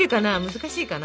難しいかな？